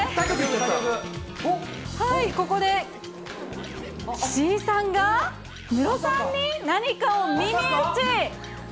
ここで、岸井さんがムロさんに何かを耳打ち。